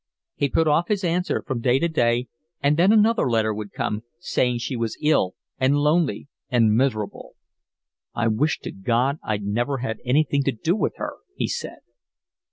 He put off his answer from day to day, and then another letter would come, saying she was ill and lonely and miserable. "I wish to God I'd never had anything to do with her," he said.